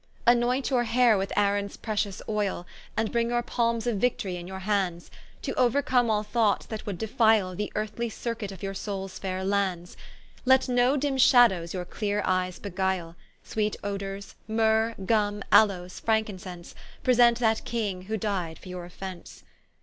Annoynt your haire with Aarons pretious oyle, And bring your palmes of vict'ry in your hands, To ouercome all thoughts that would defile The earthly circuit of your soules faire lands; Let no dimme shadowes your cleare eyes beguile: Sweet odours, mirrhe, gum, aloes, frankincense, Present that King who di'd for your offence.